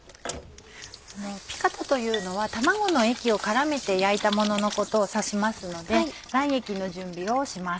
ピカタというのは卵の液を絡めて焼いたもののことを指しますので卵液の準備をします。